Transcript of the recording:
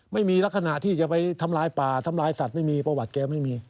ไม่มีลักษณะที่จะไปทำลายป่าทำลายสัตว์ไม่มีประวัติแกไม่มี